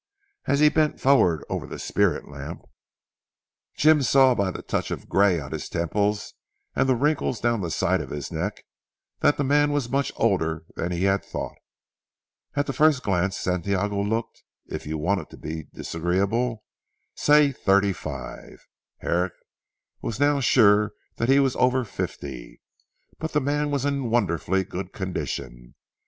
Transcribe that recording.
As he bent forward over the spirit lamp, Jim saw by the touch of grey on his temples and the wrinkles down the side of his neck that the man was much older than he had thought. At the first glance Santiago looked if you wanted to be disagreeable say thirty five. Herrick was now sure he was over fifty. But the man was in wonderfully good condition.